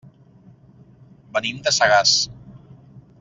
Venim de Sagàs.